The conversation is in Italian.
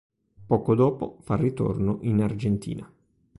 Poco dopo fa ritorno in Argentina.